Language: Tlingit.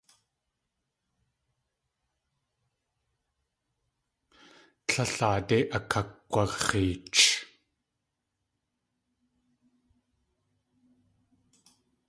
Tlél aadé akakg̲wax̲eech.